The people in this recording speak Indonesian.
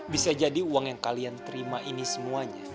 bisa jadi uang yang kalian terima ini semuanya